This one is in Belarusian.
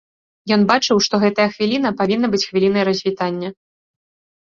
Ён бачыў, што гэтая хвіліна павінна быць хвілінай развітання.